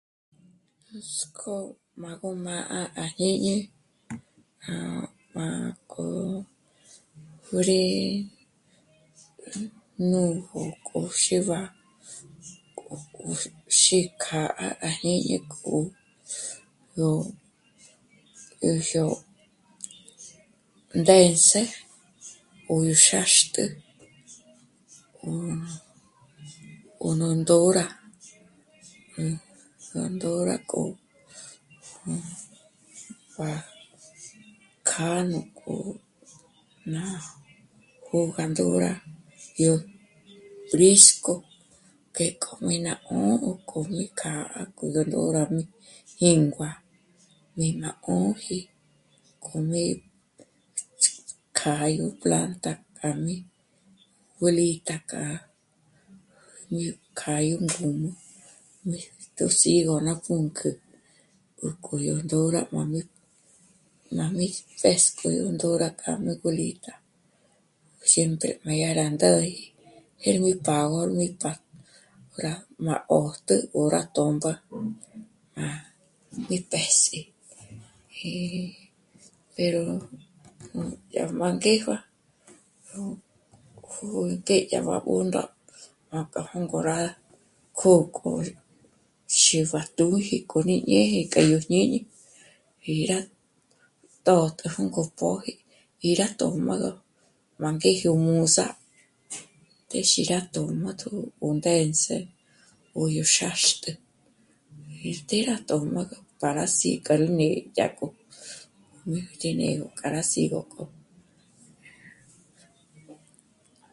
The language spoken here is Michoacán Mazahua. Nuts'k'ó má gó mâ'a à jñíni já'a má k'o... nrí núju kjo xíb'a k'o... yó xík'a à jñíni ó yó... ndē̂s'e ó yó xâxtü ó... ó nó ndôra, ndôra k'o... pa kja nújnó jó ná ndôra yó nrísk'o que k'o mí ná 'ṓ'ō ó kjo mí kjâ'a k'o yo ndôraji jíngua... mí na 'ṓ'ōji k'o mí kjâ'a yó planta kjamí bolita kja ñú kja íngùmü míjtjos'í ó ná pǔnk'ü ó k'o yó ndôra juā̌jmi rá mí pesk'i yó ndôra kja mí bolita jyènt'ü má dyá rá ndêji jêrgú pâgöji tá má rá má 'òjtü o rá tö̌mba rá mí péjs'i y... pero... dyà má ngíjua'a nú k'édyam'a rá b'ónda májka jôngôra kjó'kjo xíbatǔji k'o ní jñêne k'a yó jñíni 'í rá tójtjopjü k'u póji í rá tójmaga m'a ngéjyo mús'á téxi ya tö́jmatjü 'undéndze o yó xâxtü... y të́'ë rá tö̌m'a para sí k'a nú ní'i dyâk'o mí ti né'egö kja sîgok'o